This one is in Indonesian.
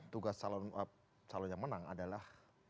tugas calon yang menang adalah